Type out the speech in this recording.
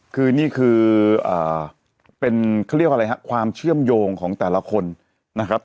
คือนี่คือเป็นเขาเรียกว่าอะไรฮะความเชื่อมโยงของแต่ละคนนะครับ